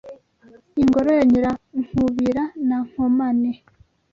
I Ngoro ya Nyirankubira na Nkomane